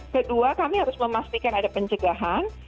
kedua kami harus memastikan ada pencegahan